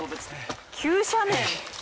急斜面！